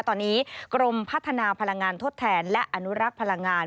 ตอนนี้กรมพัฒนาพลังงานทดแทนและอนุรักษ์พลังงาน